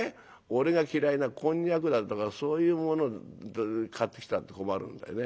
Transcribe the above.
俺が嫌いなこんにゃくだとかそういうものを買ってきたって困るんだよね。